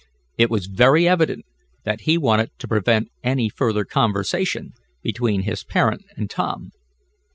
It was very evident that he wanted to prevent any further conversation between his parent and Tom.